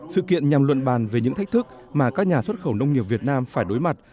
sự kiện nhằm luận bàn về những thách thức mà các nhà xuất khẩu nông nghiệp việt nam phải đối mặt